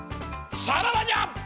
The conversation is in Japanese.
さらばじゃ！